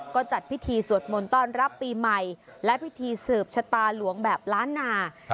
ก็จัดพิธีสวดมนต์ต้อนรับปีใหม่และพิธีสืบชะตาหลวงแบบล้านนา